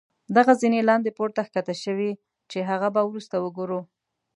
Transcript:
دغه زينې لاندې پوړ ته ښکته شوي چې هغه به وروسته وګورو.